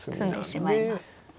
詰んでしまいます。